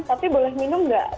tapi boleh minum enggak